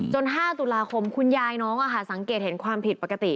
๕ตุลาคมคุณยายน้องสังเกตเห็นความผิดปกติ